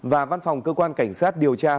và văn phòng cơ quan cảnh sát điều tra